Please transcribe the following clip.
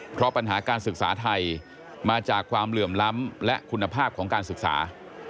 เพราะปัญหาการศึกษาไทยมาจากความเหลื่อมล้ำและคุณภาพของการศึกษา